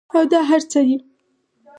او دا هر څۀ دي